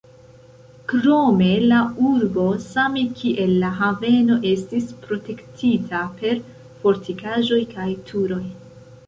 Krome la urbo, same kiel la haveno estis protektita per fortikaĵoj kaj turoj.